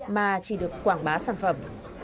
mà chỉ được quảng bá sản phẩm